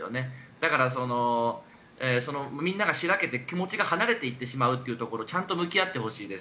だから、みんなが白けて気持ちが離れていってしまうところちゃんと向き合ってほしいです。